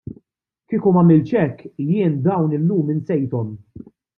Kieku m'għamiltx hekk, jiena dawn illum insejthom.